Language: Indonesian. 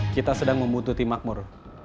kita sedang membutuhkan makmur